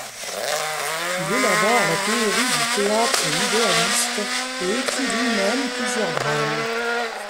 Il élabore la théorie du théâtre idéaliste et écrit lui-même plusieurs drames.